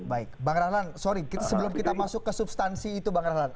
baik bang rahlan sorry sebelum kita masuk ke substansi itu bang rahlan